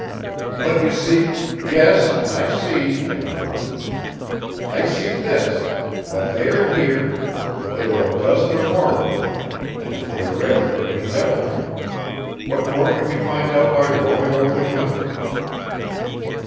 "But you see " "Yes, I see," I interrupted. "I see this that they are here, that there are a dozen or more of them, and that they are ready for any deviltry. What more can we find out by roaming over the country?"